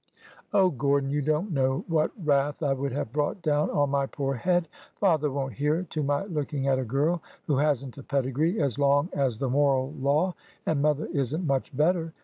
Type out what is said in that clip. " Oh, Gordon, you don't know what wrath I would have brought down on my poor head. Father won't hear to my looking at a girl who has n't a pedigree as long as the moral law— and mother is n't much better